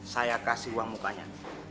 saya kasih uang mukanya